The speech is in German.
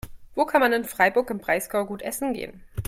Wo kann man in Freiburg im Breisgau gut essen gehen?